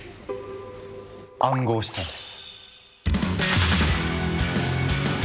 暗号資産です。